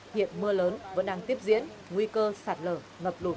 hiện mưa lớn vẫn đang tiếp diễn nguy cơ sạt lở ngập lụt